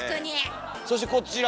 そしてこちら！